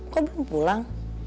kok belum pulang